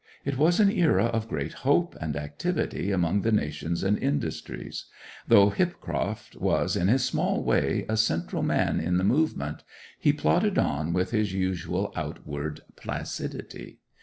It was an era of great hope and activity among the nations and industries. Though Hipcroft was, in his small way, a central man in the movement, he plodded on with his usual outward placidity.